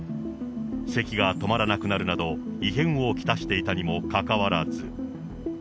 せきが止まらなくなるなど、異変を来していたにもかかわらず。